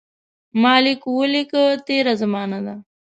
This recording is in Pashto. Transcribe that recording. ما لیک ولیکه تېره زمانه ده.